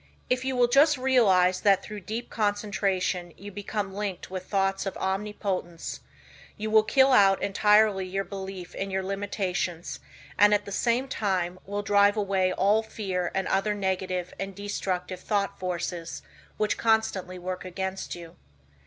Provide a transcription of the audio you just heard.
If you will just realize that through deep concentration you become linked with thoughts of omnipotence, you will kill out entirely your belief in your limitations and at the same time will drive away all fear and other negative and destructive thought forces which constantly work against you.